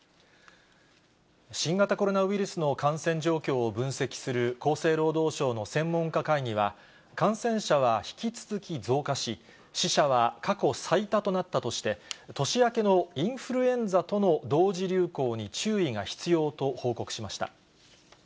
新型コロナウイルスの感染状況を分析する厚生労働省の専門家会議は、感染者は引き続き増加し、死者は過去最多となったとして、年明けのインフルエンザとの同時流行に注意が必要と報告しました。